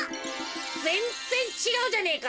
ぜんぜんちがうじゃねえか。